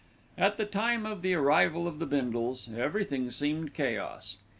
At the time of the arrival of the Bindles, everything seemed chaos.